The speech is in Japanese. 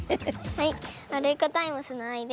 はい。